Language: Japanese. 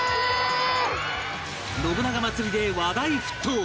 信長まつりで話題沸騰！